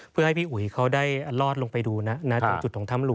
เพื่อให้พี่อุ๋ยเขาได้ลอดลงไปดูนะตรงจุดของถ้ำหลวง